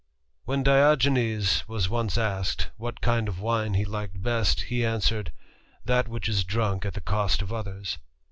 ^1 rHEN Diogenes was once asked, what kind of wine he ^^ Uked best, he answered, "That which is drunk at the cost of others."